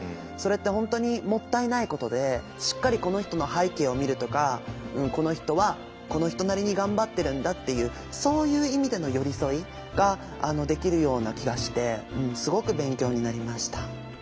それって本当にもったいないことでしっかりこの人の背景を見るとかこの人はこの人なりに頑張ってるんだっていうそういう意味での寄り添いができるような気がしてすごく勉強になりました。